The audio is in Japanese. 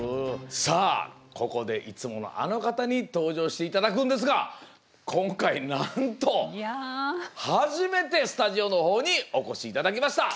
さあここでいつものあの方に登場して頂くんですが今回なんと初めてスタジオのほうにお越し頂きました。